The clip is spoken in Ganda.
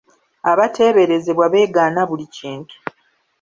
Abateeberezebwa beegaana buli kintu.